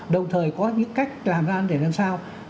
đồng thời có những cách làm ra để làm sao